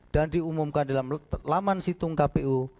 dan diumumkan dalam laman situng kpu